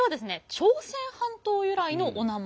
朝鮮半島由来のお名前。